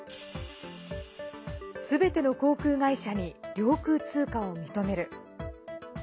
すべての航空会社に領空通過を認める。